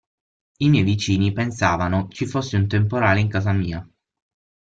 I miei vicini pensavano ci fosse un temporale in casa mia.